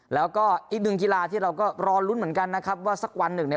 แล้วก็อีกหนึ่งกีฬาที่เราก็รอลุ้นเหมือนกันนะครับว่าสักวันหนึ่งเนี่ย